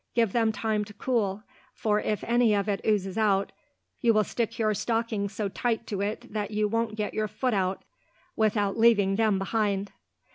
Give them time to cool, for if any of it oozes out, you will stick your stockings so tight to it that you won't get your foot out without laving them behind."